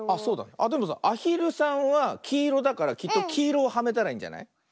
あっでもさアヒルさんはきいろだからきっときいろをはめたらいいんじゃない？